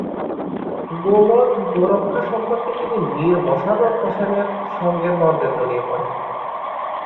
গোবধ-গোরক্ষা সম্পর্কে তিনি মীর মশাররফ হোসেন এর সঙ্গে দ্বন্দ্বে জড়িয়ে পড়েন।